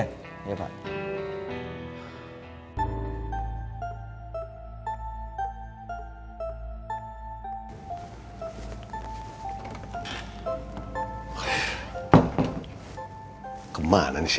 sampai jumpa di video selanjutnya